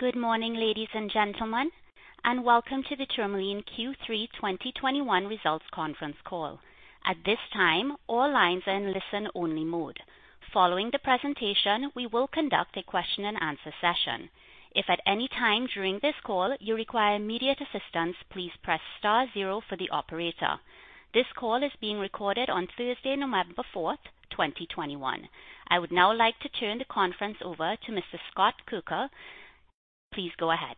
Good morning, ladies and gentlemen, and welcome to the Tourmaline Q3 2021 Results Conference Call. At this time, all lines are in listen-only mode. Following the presentation, we will conduct a question and answer session. If at any time during this call you require immediate assistance, please press star zero for the operator. This call is being recorded on Thursday, November 4th, 2021. I would now like to turn the conference over to Mr. Scott Kirker. Please go ahead.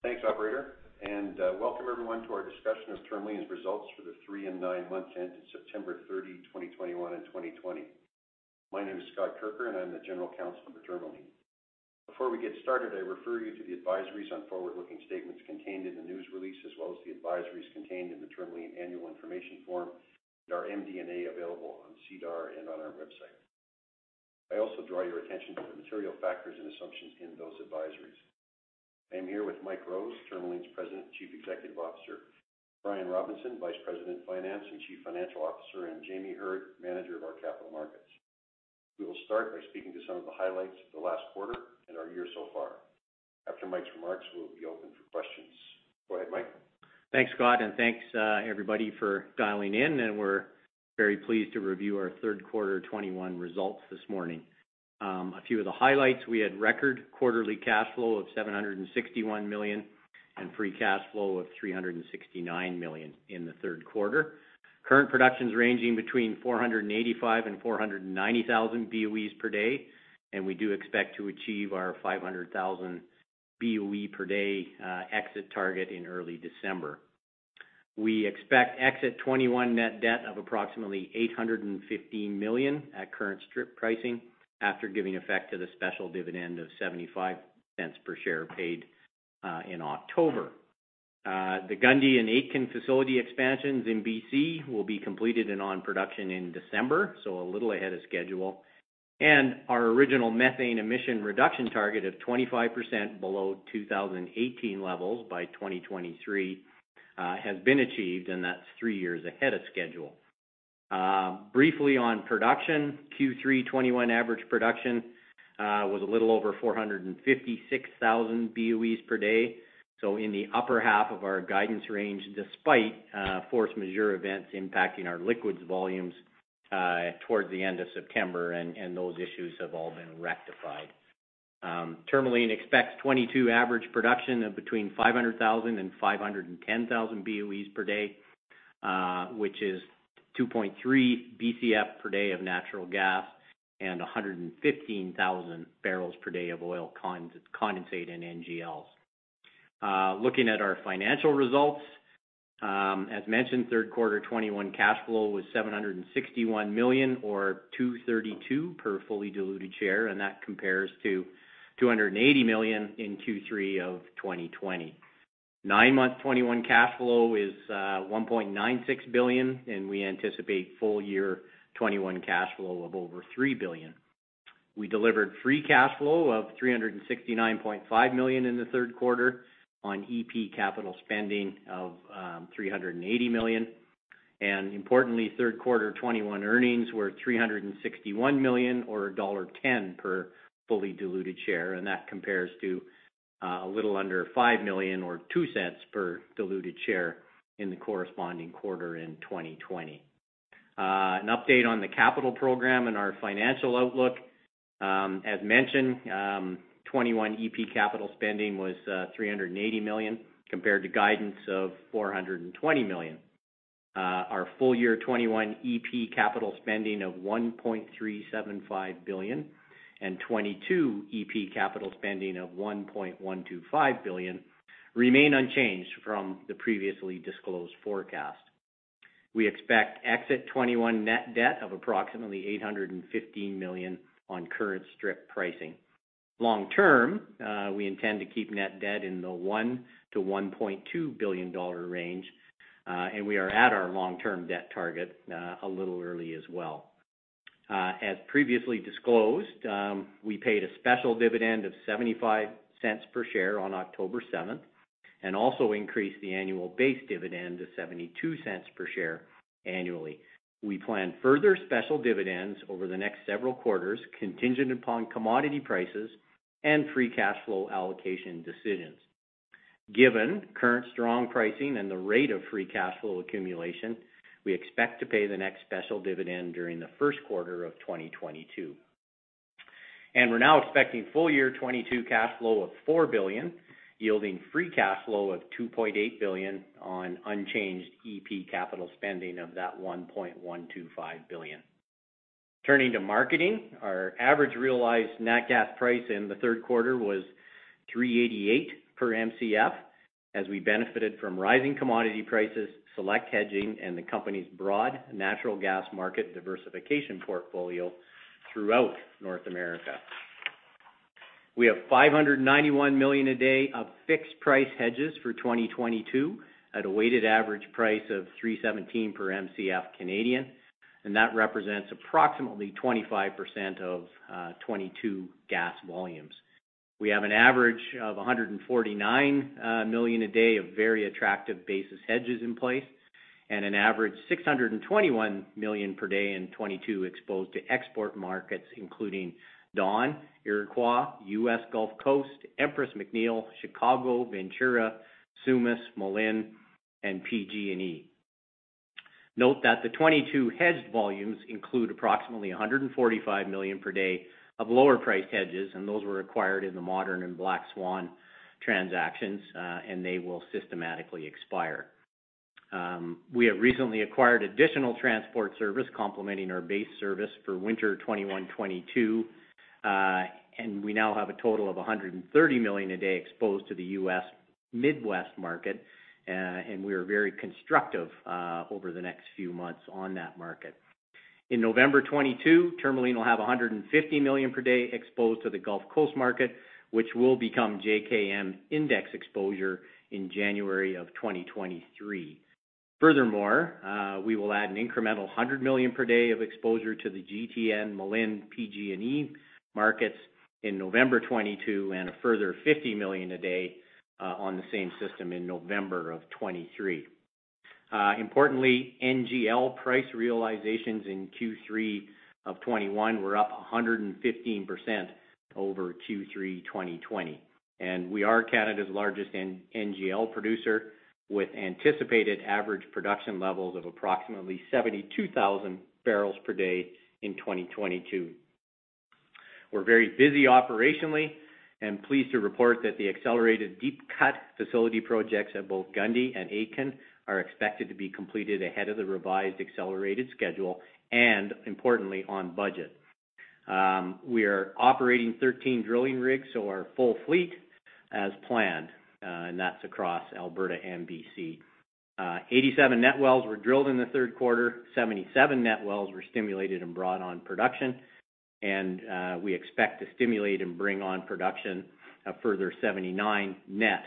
Thanks, operator, and welcome everyone to our discussion of Tourmaline's results for the three and nine months ended September 30, 2021 and 2020. My name is Scott Kirker, and I'm the general counsel for Tourmaline. Before we get started, I refer you to the advisories on forward-looking statements contained in the news release, as well as the advisories contained in the Tourmaline annual information form and our MD&A available on SEDAR and on our website. I also draw your attention to the material factors and assumptions in those advisories. I am here with Mike Rose, Tourmaline's President and Chief Executive Officer, Brian Robinson, Vice President, Finance and Chief Financial Officer, and Jamie Heard, Manager of our Capital Markets. We will start by speaking to some of the highlights of the last quarter and our year so far. After Mike's remarks, we'll be open for questions. Go ahead, Mike. Thanks, Scott, and thanks, everybody for dialing in. We're very pleased to review our third quarter 2021 results this morning. A few of the highlights. We had record quarterly cash flow of 761 million and free cash flow of 369 million in the third quarter. Current production ranging between 485,000 and 490,000 BOE per day, and we do expect to achieve our 500,000 BOE per day exit target in early December. We expect exit 2021 net debt of approximately 850 million at current strip pricing after giving effect to the special dividend of 0.75 per share paid in October. The Gundy and Aitken facility expansions in BC will be completed and on production in December, so a little ahead of schedule. Our original methane emission reduction target of 25% below 2018 levels by 2023 has been achieved, and that's three years ahead of schedule. Briefly on production. Q3 2021 average production was a little over 456,000 BOE per day, so in the upper half of our guidance range, despite force majeure events impacting our liquids volumes towards the end of September, and those issues have all been rectified. Tourmaline expects 2022 average production of between 500,000 and 510,000 BOE per day, which is 2.3 BCF per day of natural gas and 115,000 bbl per day of oil condensate and NGLs. Looking at our financial results. As mentioned, third quarter 2021 cash flow was 761 million or 2.32 per fully diluted share, and that compares to 280 million in Q3 of 2020. Nine month 2021 cash flow is 1.96 billion, and we anticipate full-year 2021 cash flow of over 3 billion. We delivered free cash flow of 369.5 million in the third quarter on EP capital spending of 380 million. Importantly, third quarter 2021 earnings were 361 million or dollar 1.10 per fully diluted share, and that compares to a little under 5 million or 0.02 per diluted share in the corresponding quarter in 2020. An update on the capital program and our financial outlook. As mentioned, 2021 EP capital spending was 380 million, compared to guidance of 420 million. Our full-year 2021 EP capital spending of 1.375 billion and 2022 EP capital spending of 1.125 billion remain unchanged from the previously disclosed forecast. We expect exit 2021 net debt of approximately 850 million on current strip pricing. Long-term, we intend to keep net debt in the 1 billion-1.2 billion dollar range, and we are at our long-term debt target a little early as well. As previously disclosed, we paid a special dividend of 0.75 per share on October 7th and also increased the annual base dividend to 0.72 per share annually. We plan further special dividends over the next several quarters, contingent upon commodity prices and free cash flow allocation decisions. Given current strong pricing and the rate of free cash flow accumulation, we expect to pay the next special dividend during the first quarter of 2022. We're now expecting full-year 2022 cash flow of 4 billion, yielding free cash flow of 2.8 billion on unchanged E&P capital spending of that 1.125 billion. Turning to marketing, our average realized nat gas price in the third quarter was 3.88 per MCF as we benefited from rising commodity prices, select hedging, and the company's broad natural gas market diversification portfolio throughout North America. We have 591 million a day of fixed price hedges for 2022 at a weighted average price of 3.17 per MCF Canadian, and that represents approximately 25% of 2022 gas volumes. We have an average of 149 million a day of very attractive basis hedges in place and an average 621 million per day in 2022 exposed to export markets including Dawn, Iroquois, U.S. Gulf Coast, Empress, McNeil, Chicago, Ventura, Sumas, Malin, and PG&E. Note that the 2022 hedged volumes include approximately 145 million per day of lower priced hedges, and those were acquired in the Modern and Black Swan transactions, and they will systematically expire. We have recently acquired additional transport service complementing our base service for winter 2021, 2022, and we now have a total of 130 million a day exposed to the U.S. Midwest market. We are very constructive over the next few months on that market. In November 2022, Tourmaline will have 150 million per day exposed to the Gulf Coast market, which will become JKM index exposure in January of 2023. Furthermore, we will add an incremental 100 million per day of exposure to the GTN, Malin, PG&E markets in November 2022, and a further 50 million a day on the same system in November of 2023. Importantly, NGL price realizations in Q3 of 2021 were up 115% over Q3 2020. We are Canada's largest NGL producer, with anticipated average production levels of approximately 72,000 bbl per day in 2022. We're very busy operationally and pleased to report that the accelerated deep cut facility projects at both Gundy and Aitken are expected to be completed ahead of the revised accelerated schedule and importantly on budget. We are operating 13 drilling rigs, so our full fleet as planned, and that's across Alberta and BC. 87 net wells were drilled in the third quarter. 77 net wells were stimulated and brought on production. We expect to stimulate and bring on production a further 79 net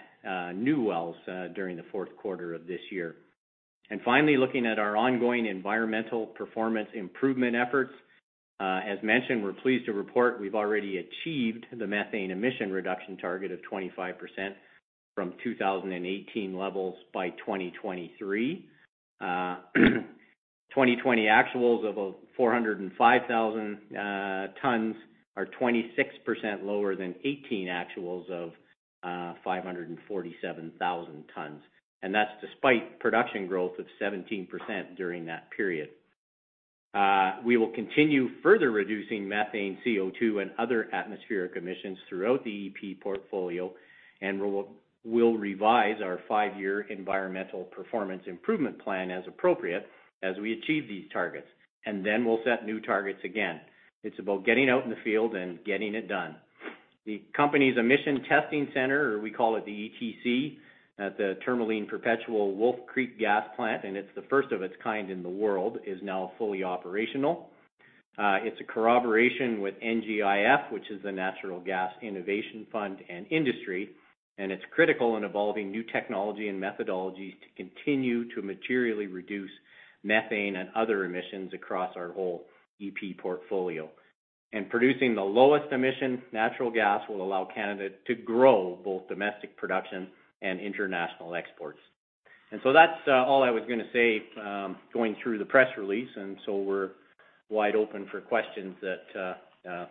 new wells during the fourth quarter of this year. Finally, looking at our ongoing environmental performance improvement efforts. As mentioned, we're pleased to report we've already achieved the methane emission reduction target of 25% from 2018 levels by 2023. 2020 actuals of 405,000 tons are 26% lower than 2018 actuals of 547,000 tons. That's despite production growth of 17% during that period. We will continue further reducing methane, CO2, and other atmospheric emissions throughout the EP portfolio, and we'll revise our five-year environmental performance improvement plan as appropriate as we achieve these targets. We'll set new targets again. It's about getting out in the field and getting it done. The company's emission testing center, or we call it the ETC, at the Tourmaline/Perpetual West Wolf Lake Gas Plant, is the first of its kind in the world and is now fully operational. It's a collaboration with NGIF, which is the Natural Gas Innovation Fund, and industry, and it's critical in evolving new technology and methodologies to continue to materially reduce methane and other emissions across our whole EP portfolio. Producing the lowest emission natural gas will allow Canada to grow both domestic production and international exports. That's all I was gonna say, going through the press release, and so we're wide open for questions that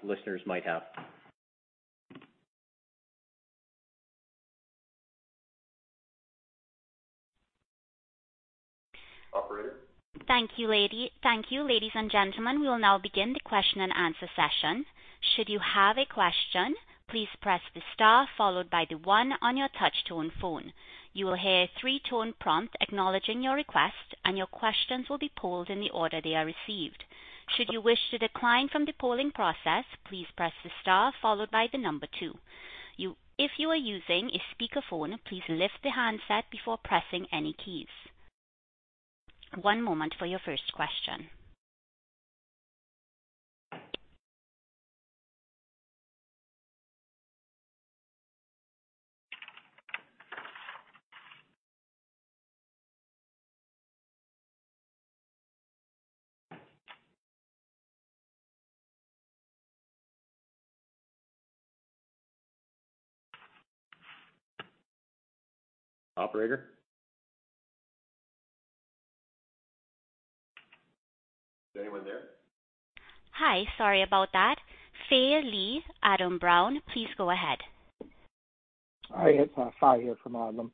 listeners might have. Operator? Thank you, lady. Thank you, ladies and gentlemen. We will now begin the question and answer session. Should you have a question, please press the star followed by the one on your touch tone phone. You will hear three-tone prompt acknowledging your request, and your questions will be pooled in the order they are received. Should you wish to decline from the polling process, please press the star followed by the number two. If you are using a speakerphone, please lift the handset before pressing any keys. One moment for your first question. Operator? Is anyone there? Hi. Sorry about that. Fai Lee, Adam Brown, please go ahead. Hi, it's Fai here from Adam.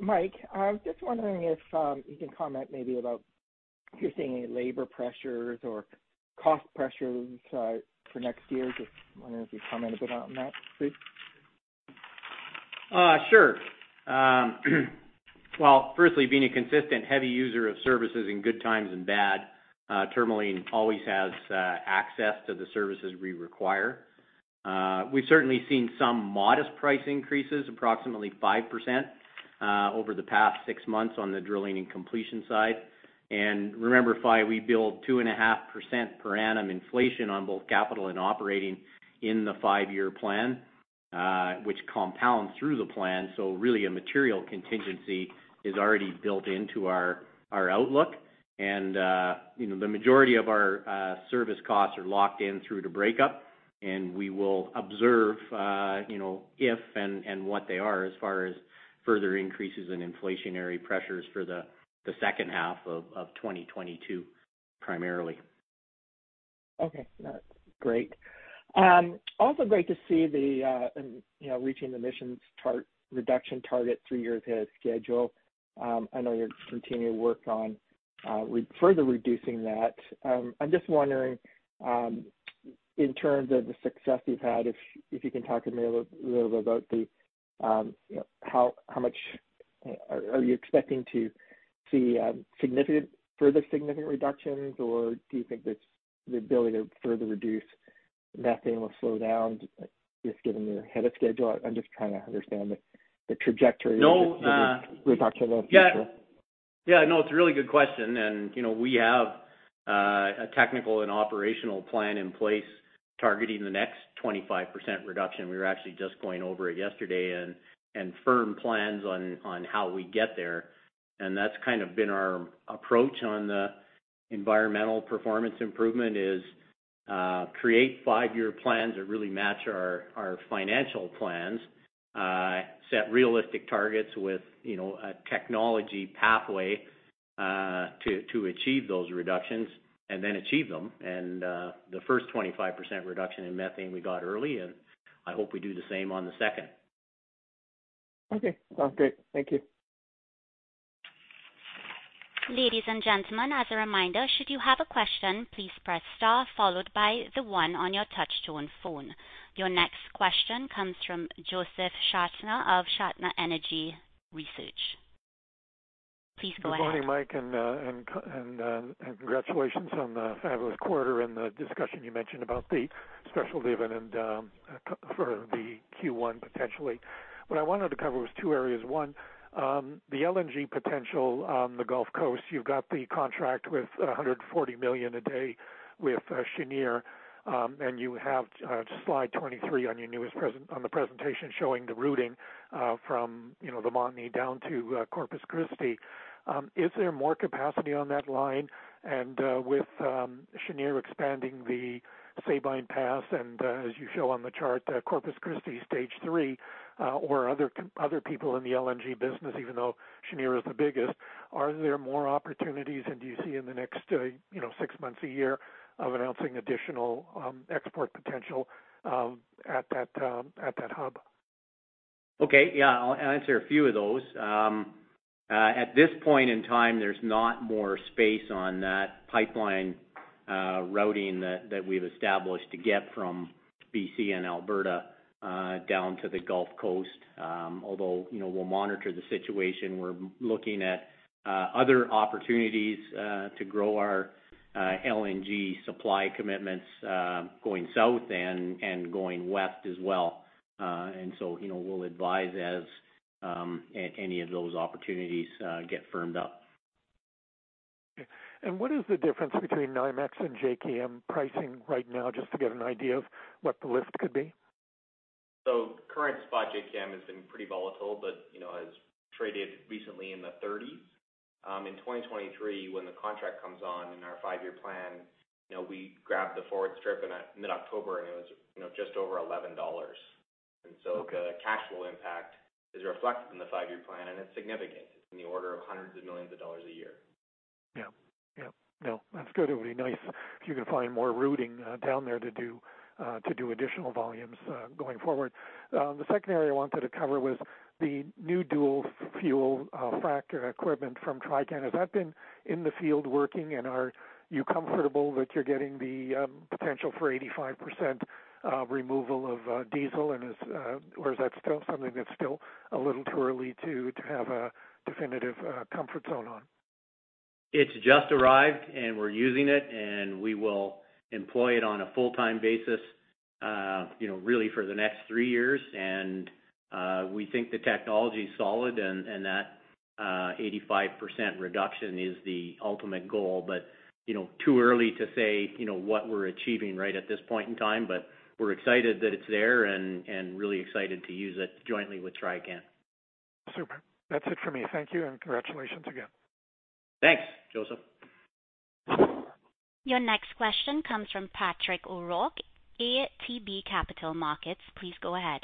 Mike, I'm just wondering if you can comment maybe about if you're seeing any labor pressures or cost pressures for next year. Just wondering if you can comment a bit on that, please. Sure. Well, firstly, being a consistent heavy user of services in good times and bad, Tourmaline always has access to the services we require. We've certainly seen some modest price increases, approximately 5%, over the past six months on the drilling and completion side. Remember, Fai, we build 2.5% per annum inflation on both capital and operating in the five-year plan, which compounds through the plan. Really, a material contingency is already built into our outlook. You know, the majority of our service costs are locked in through the breakup, and we will observe, you know, if and what they are as far as further increases in inflationary pressures for the second half of 2022 primarily. Okay. That's great. Also great to see the, you know, reaching the emissions target reduction target three years ahead of schedule. I know you're continuing to work on further reducing that. I'm just wondering, in terms of the success you've had, if you can talk to me a little bit about the, you know, how much are you expecting to see further significant reductions, or do you think the ability to further reduce methane will slow down just given you're ahead of schedule? I'm just trying to understand the trajectory with respect to the future. Yeah. Yeah. No, it's a really good question. You know, we have a technical and operational plan in place targeting the next 25% reduction. We were actually just going over it yesterday and firm plans on how we get there. That's kind of been our approach on the environmental performance improvement, is create five-year plans that really match our financial plans. Set realistic targets with, you know, a technology pathway to achieve those reductions and then achieve them. The first 25% reduction in methane we got early, and I hope we do the same on the second. Okay. Sounds great. Thank you. Ladies and gentlemen, as a reminder, should you have a question, please press star followed by the one on your touchtone phone. Your next question comes from Josef Schachter of Schachter Energy Research. Please go ahead. Good morning, Mike, and congratulations on the fabulous quarter and the discussion you mentioned about the special dividend for the Q1, potentially. What I wanted to cover was two areas. One, the LNG potential on the Gulf Coast. You've got the contract with 140 million a day with Cheniere. And you have slide 23 on your newest presentation showing the routing from, you know, the Montney down to Corpus Christi. Is there more capacity on that line? With Cheniere expanding the Sabine Pass, and as you show on the chart, Corpus Christi stage three, or other people in the LNG business, even though Cheniere is the biggest, are there more opportunities? Do you see in the next, you know, six months, a year of announcing additional export potential at that hub? Okay. Yeah. I'll answer a few of those. At this point in time, there's not more space on that pipeline routing that we've established to get from BC and Alberta down to the Gulf Coast. Although, you know, we'll monitor the situation. We're looking at other opportunities to grow our LNG supply commitments going south and going west as well. You know, we'll advise as any of those opportunities get firmed up. Okay. What is the difference between NYMEX and JKM pricing right now, just to get an idea of what the lift could be? Current spot JKM has been pretty volatile, but, you know, has traded recently in the 30s. In 2023, when the contract comes on in our five-year plan, you know, we grabbed the forward strip in mid-October, and it was, you know, just over 11 dollars. The cash flow impact is reflected in the five-year plan, and it's significant. It's in the order of hundreds of millions CAD a year. Yeah. Yeah. No, that's good. It would be nice if you could find more routing down there to do additional volumes going forward. The second area I wanted to cover was the new dual fuel frack equipment from Trican. Has that been in the field working? And are you comfortable that you're getting the potential for 85% removal of diesel, or is that still something that's a little too early to have a definitive comfort zone on? It's just arrived and we're using it, and we will employ it on a full-time basis, you know, really for the next three years. We think the technology is solid and that 85% reduction is the ultimate goal. You know, too early to say, you know, what we're achieving right at this point in time, but we're excited that it's there and really excited to use it jointly with Trican. Super. That's it for me. Thank you, and congratulations again. Thanks, Josef. Your next question comes from Patrick O'Rourke, ATB Capital Markets. Please go ahead.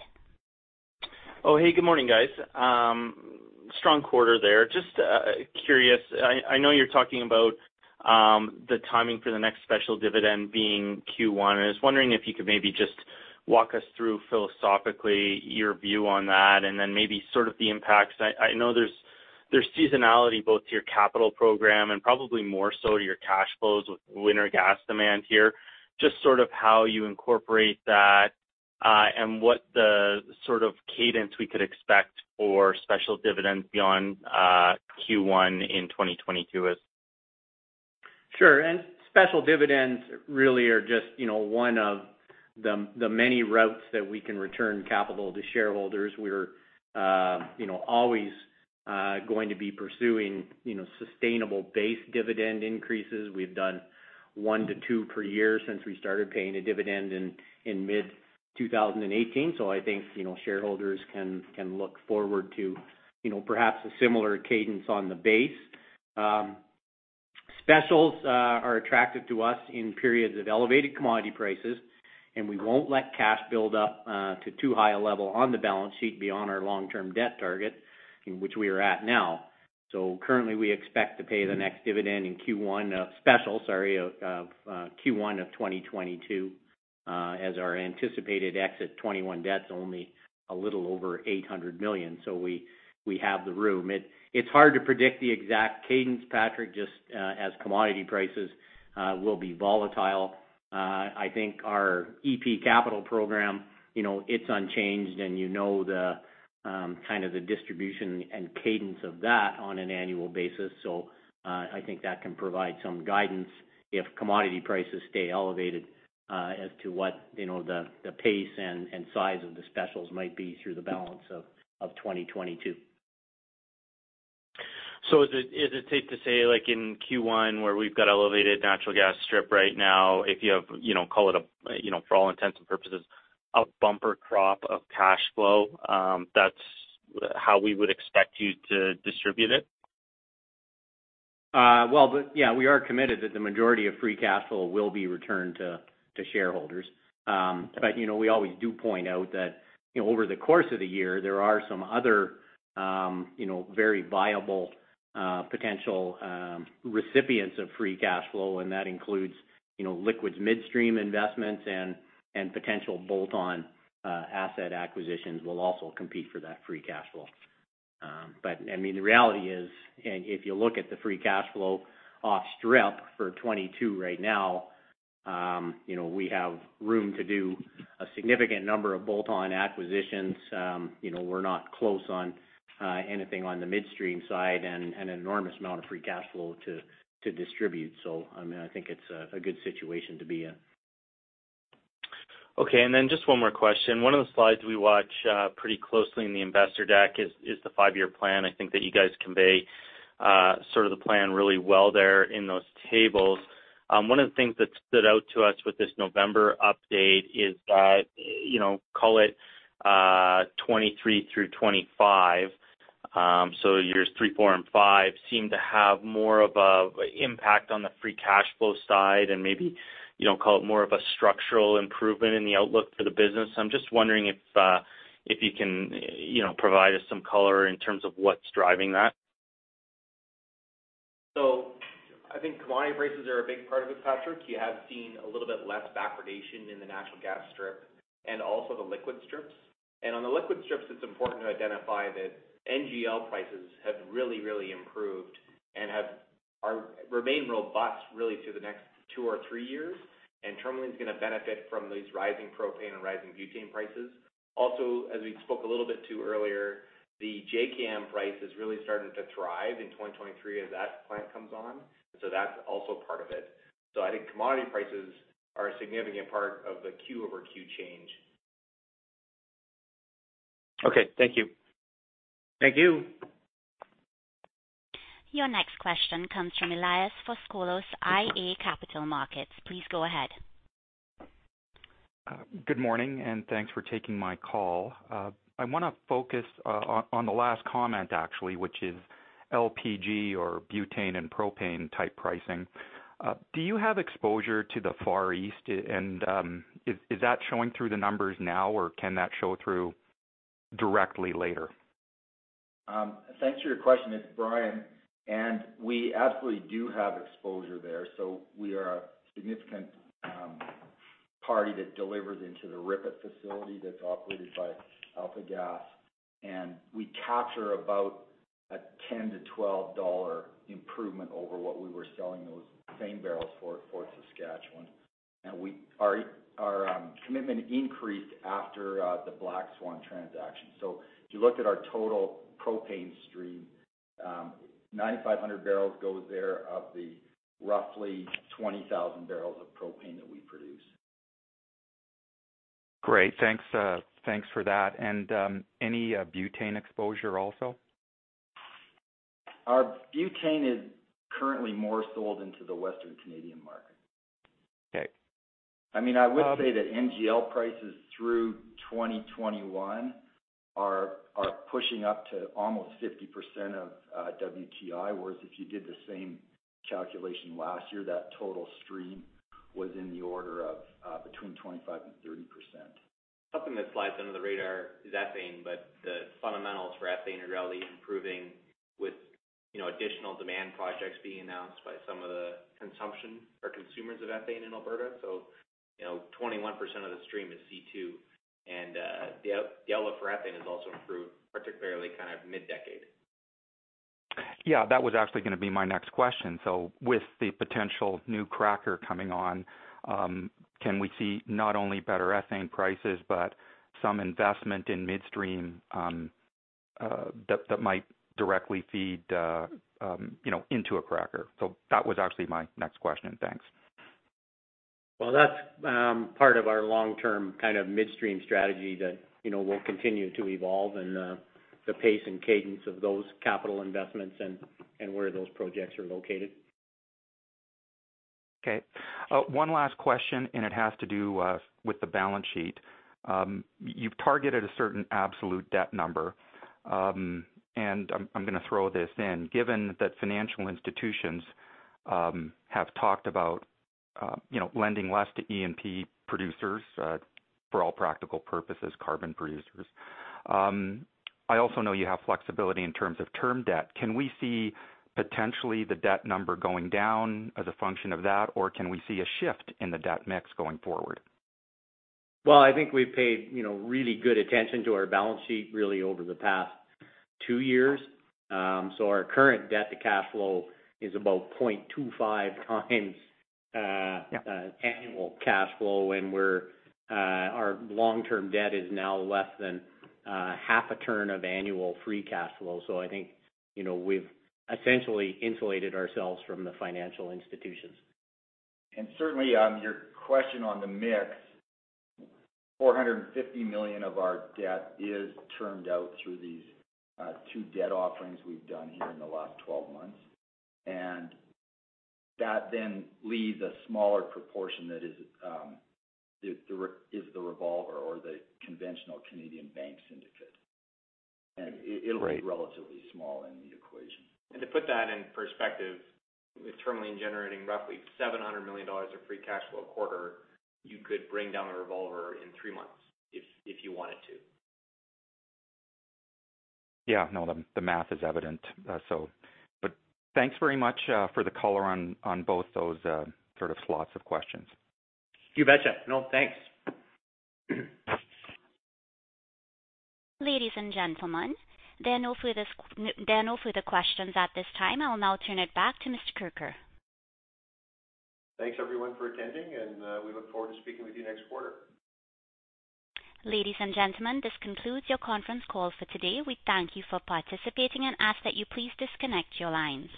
Oh, hey, good morning, guys. Strong quarter there. Just curious, I know you're talking about the timing for the next special dividend being Q1. I was wondering if you could maybe just walk us through philosophically your view on that and then maybe sort of the impacts. I know there's seasonality both to your capital program and probably more so to your cash flows with winter gas demand here. Just sort of how you incorporate that, and what the sort of cadence we could expect for special dividends beyond Q1 in 2022 is. Sure. Special dividends really are just, you know, one of the many routes that we can return capital to shareholders. We're, you know, always going to be pursuing, you know, sustainable base dividend increases. We've done one to two per year since we started paying a dividend in mid-2018. I think, you know, shareholders can look forward to, you know, perhaps a similar cadence on the base. Specials are attractive to us in periods of elevated commodity prices, and we won't let cash build up to too high a level on the balance sheet beyond our long-term debt target in which we are at now. Currently, we expect to pay the next special dividend in Q1 of 2022, as our anticipated exit 2021 debt's only a little over 800 million. We have the room. It's hard to predict the exact cadence, Patrick, just as commodity prices will be volatile. I think our E&P capital program, you know, it's unchanged and you know the kind of the distribution and cadence of that on an annual basis. I think that can provide some guidance if commodity prices stay elevated, as to what, you know, the pace and size of the specials might be through the balance of 2022. Is it safe to say like in Q1 where we've got elevated natural gas strip right now, if you have, you know, call it a, you know, for all intents and purposes, a bumper crop of cash flow, that's how we would expect you to distribute it? Yeah, we are committed that the majority of free cash flow will be returned to shareholders. You know, we always do point out that you know, over the course of the year, there are some other you know, very viable potential recipients of free cash flow, and that includes you know, liquids midstream investments and potential bolt-on asset acquisitions will also compete for that free cash flow. I mean, the reality is, if you look at the free cash flow off strip for 2022 right now, you know, we have room to do a significant number of bolt-on acquisitions. You know, we're not close on anything on the midstream side and an enormous amount of free cash flow to distribute. I mean, I think it's a good situation to be in. Okay. Just one more question. One of the slides we watch pretty closely in the investor deck is the five-year plan. I think that you guys convey sort of the plan really well there in those tables. One of the things that stood out to us with this November update is that, you know, call it 2023 through 2025, so years three, four, and five seem to have more of an impact on the free cash flow side and maybe, you know, call it more of a structural improvement in the outlook for the business. I'm just wondering if you can, you know, provide us some color in terms of what's driving that. I think commodity prices are a big part of it, Patrick. You have seen a little bit less backwardation in the natural gas strip and also the liquid strips. On the liquid strips, it's important to identify that NGL prices have really, really improved and remain robust really through the next two or three years. Tourmaline is gonna benefit from these rising propane and rising butane prices. Also, as we spoke a little bit to earlier, the JKM price is really starting to thrive in 2023 as that plant comes on. That's also part of it. I think commodity prices are a significant part of the Q-over-Q change. Okay. Thank you. Thank you. Your next question comes from Elias Foscolos, iA Capital Markets. Please go ahead. Good morning, and thanks for taking my call. I wanna focus on the last comment actually, which is LPG or butane and propane type pricing. Do you have exposure to the Far East? Is that showing through the numbers now, or can that show through directly later? Thanks for your question. It's Brian. We absolutely do have exposure there. We are a significant party that delivers into the Ridley facility that's operated by AltaGas, and we capture about a 10-12 dollar improvement over what we were selling those same barrels for for Saskatchewan. Our commitment increased after the Black Swan transaction. If you looked at our total propane stream, 9,500 bbl goes there of the roughly 20,000 bbl of propane that we produce. Great. Thanks for that. Any butane exposure also? Our butane is currently more sold into the Western Canadian market. Okay. I mean, I would say that NGL prices through 2021 are pushing up to almost 50% of WTI, whereas if you did the same calculation last year, that total stream was in the order of between 25% and 30%. Something that slides under the radar is ethane, but the fundamentals for ethane are really improving with, you know, additional demand projects being announced by some of the consumers of ethane in Alberta. 21% of the stream is C2, and the outlook for ethane has also improved, particularly kind of mid-decade. Yeah, that was actually gonna be my next question. With the potential new cracker coming on, can we see not only better ethane prices, but some investment in midstream, that might directly feed, you know, into a cracker? That was actually my next question. Thanks. Well, that's part of our long-term kind of midstream strategy that, you know, will continue to evolve and the pace and cadence of those capital investments and where those projects are located. Okay. One last question, and it has to do with the balance sheet. You've targeted a certain absolute debt number. I'm gonna throw this in. Given that financial institutions have talked about, you know, lending less to E&P producers, for all practical purposes, carbon producers. I also know you have flexibility in terms of term debt. Can we see potentially the debt number going down as a function of that? Or can we see a shift in the debt mix going forward? Well, I think we've paid, you know, really good attention to our balance sheet really over the past two years. Our current debt to cash flow is about 0.25x. Yeah Annual cash flow, and we're our long-term debt is now less than half a turn of annual free cash flow. I think, you know, we've essentially insulated ourselves from the financial institutions. Certainly, your question on the mix, 450 million of our debt is termed out through these two debt offerings we've done here in the last 12 months. That then leaves a smaller proportion that is the revolver or the conventional Canadian bank syndicate. Right It'll be relatively small in the equation. To put that in perspective, with Tourmaline generating roughly 700 million dollars of free cash flow a quarter, you could bring down a revolver in three months if you wanted to. Yeah, no, the math is evident, so. Thanks very much for the color on both those sort of slots of questions. You betcha. No, thanks. Ladies and gentlemen, they are all through the questions at this time. I'll now turn it back to Mr. Kirker. Thanks everyone for attending and we look forward to speaking with you next quarter. Ladies and gentlemen, this concludes your conference call for today. We thank you for participating and ask that you please disconnect your lines.